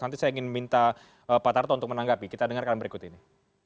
nanti saya ingin minta pak tarto untuk menanggapi kita dengarkan berikut ini